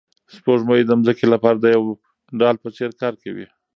سپوږمۍ د ځمکې لپاره د یو ډال په څېر کار کوي.